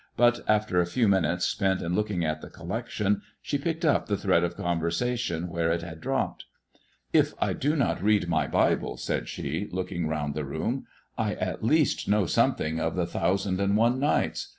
But, after a few minutes spent in looking at the collection, she picked up the thread of conversation where it had dropped. " If I do not read my Bible," said she, looking round the room, " I, at least, know something of the * Thousand and One Nights.'